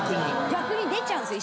逆に出ちゃうんですよ。